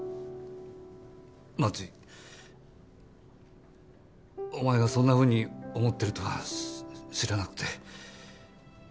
万智お前がそんなふうに思ってるとはし知らなくて。